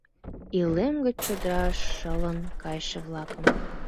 Илем гыч чодыраш шылын кайыше-влакым...